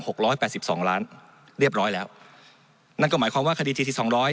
ร้อยแปดสิบสองล้านเรียบร้อยแล้วนั่นก็หมายความว่าคดีทีที่สองร้อย